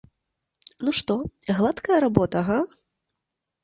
Ну што, гладкая работа, га?